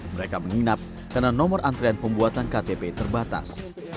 mereka menginap karena nomor antrean pembuatan ktp terbatas